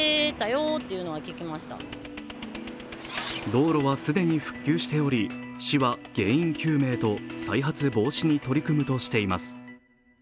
道路は既に復旧しており、市は原因究明と再発防止に取り組むとしています。